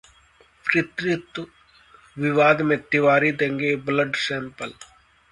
पितृत्व विवाद में तिवारी देंगे 'ब्लड सैंपल'